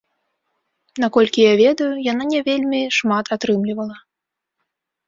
Наколькі я ведаю, яна не вельмі шмат атрымлівала.